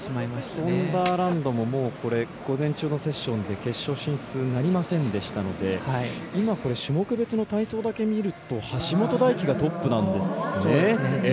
ゾンダーランドも午前中のセッションで決勝進出なりませんでしたので種目別の体操だけ見ると橋本大輝がトップなんですね。